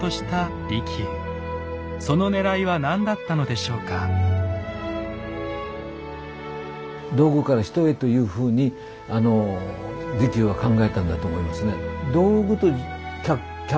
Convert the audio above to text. そのねらいは何だったのでしょうか？というふうにあの利休は考えたんだと思いますね。